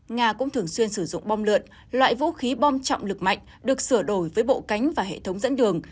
nga cũng thường xuyên sử dụng bom lượn loại vũ khí bom trọng lực mạnh được sửa đổi với bộ cánh và hệ thống dẫn đường